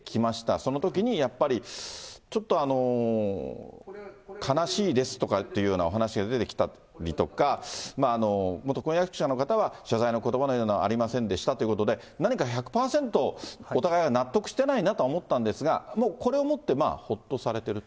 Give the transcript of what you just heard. そのときにやっぱり、ちょっと悲しいですとかっていうようなお話が出てきたりとか、元婚約者の方は謝罪のことばのようなものはありませんでしたということで、何か１００％お互いが納得してないなとは思ったんですが、もうこれをもって、ほっとされてると。